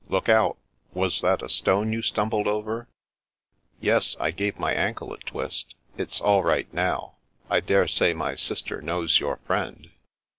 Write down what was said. Look out ! Was that a stone you stumbled over ?"" Yes. I gave my ankle a twist. It's all right now. I daresay my sister knows your friend."